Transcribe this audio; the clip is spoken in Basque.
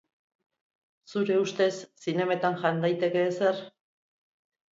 Zure ustez zinemetan jan daiteke ezer?